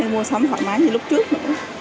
mua sắm thoải mái như lúc trước nữa